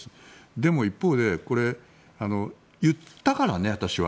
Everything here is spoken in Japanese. でも、一方で言ったからね、私は。